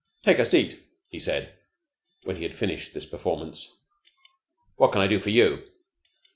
"Take a seat," he said, when he had finished this performance. "What can I do for you?"